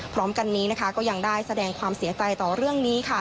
พร้อมกันนี้นะคะก็ยังได้แสดงความเสียใจต่อเรื่องนี้ค่ะ